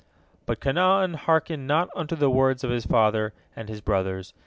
But Canaan hearkened not unto the words of his father and his brothers.